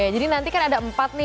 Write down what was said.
jadi nanti kan ada empat nih